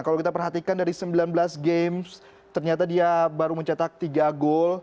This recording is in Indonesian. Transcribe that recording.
kalau kita perhatikan dari sembilan belas games ternyata dia baru mencetak tiga gol